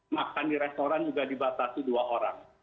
makan di restoran juga dibatasi dua orang